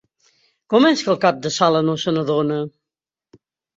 Com és que el cap de sala no se n'adona?